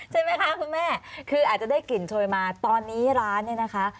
ใช่ไหมคะคุณแม่คืออาจจะได้กลิ่นโชยมาตอนนี้ร้านเนี่ยนะคะ